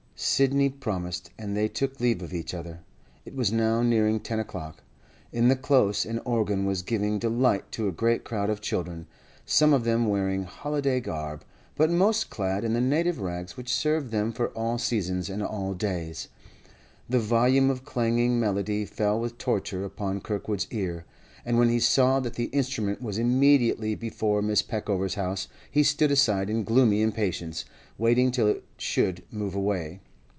Sidney promised, and they took leave of each other. It was now nearing ten o'clock. In the Close an organ was giving delight to a great crowd of children, some of them wearing holiday garb, but most clad in the native rags which served them for all seasons and all days. The volume of clanging melody fell with torture upon Kirkwood's ear, and when he saw that the instrument was immediately before Mrs. Peckover's house, he stood aside in gloomy impatience, waiting till it should move away.